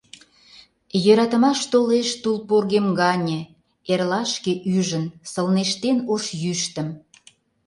Йӧратымаш толеш тул поргем гане, эрлашке ӱжын, сылнештен ош йӱштым.